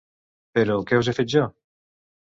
Però, què us he fet, jo?